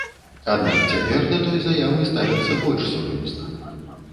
Аднак цяпер да той заявы ставяцца больш сур'ёзна.